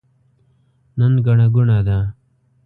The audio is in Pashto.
نن ګڼه ګوڼه ده.